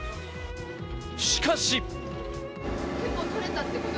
しかし。